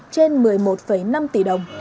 trên một mươi một năm tỷ đồng